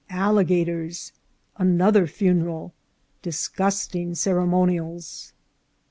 — Alligators. — Another Funeral. — Disgusting Ceremonials.